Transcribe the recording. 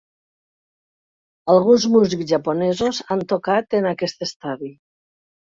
Alguns músics japonesos han tocat en aquest estadi.